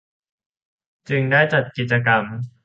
จึงได้จัดกิจกรรม